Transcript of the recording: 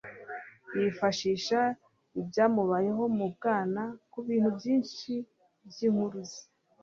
Yifashisha ibyamubayeho mu bwana kubintu byinshi byinkuru ze